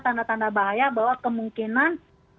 tanda tanda bahaya bahwa kemungkinan